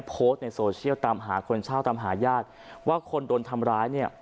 โพสต์ในโซเชียลตามหาคนเช่าตามหาญาติว่าคนโดนทำร้ายเนี่ย